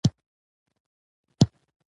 هغه چا غړیتوب په اتومات ډول منل کېده